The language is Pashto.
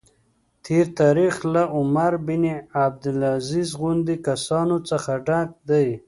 تېر تاریخ له عمر بن عبدالعزیز غوندې کسانو څخه ډک دی.